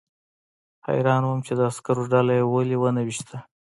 حیران وم چې د عسکرو ډله یې ولې ونه ویشته